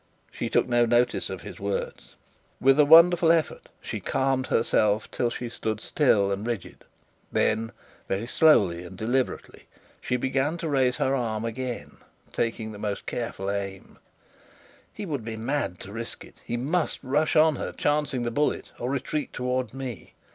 She took no notice of his words. With a wonderful effort, she calmed herself till she stood still and rigid. Then very slowly and deliberately she began to raise her arm again, taking most careful aim. He would be mad to risk it. He must rush on her, chancing the bullet, or retreat towards me.